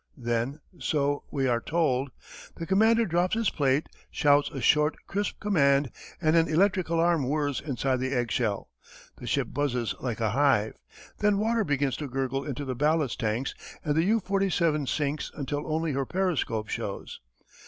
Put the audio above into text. Then so we are told: The commander drops his plate, shouts a short, crisp command, and an electric alarm whirs inside the egg shell. The ship buzzes like a hive. Then water begins to gurgle into the ballast tanks, and U 47 sinks until only her periscope shows.